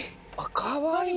かわいいね。